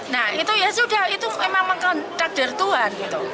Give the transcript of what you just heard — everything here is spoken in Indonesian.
nah itu ya sudah itu memang mengelak takdir tuhan gitu